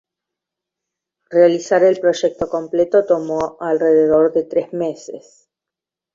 Realizar el proyecto completo tomó alrededor de tres meses.